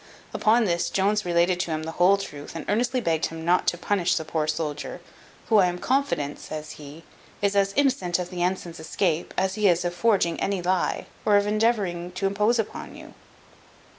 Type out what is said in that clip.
Upon this Jones related to him the whole truth, and earnestly begged him not to punish the poor soldier, "who, I am confident," says he, "is as innocent of the ensign's escape, as he is of forging any lie, or of endeavouring to impose on you."